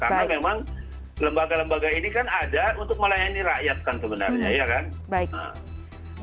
karena memang lembaga lembaga ini kan ada untuk melayani rakyat kan sebenarnya ya kan